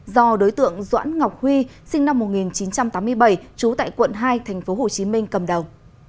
do đối tượng doãn ngọc huy sinh năm một nghìn chín trăm tám mươi bảy trú tại quận hai tp hcm cầm đầu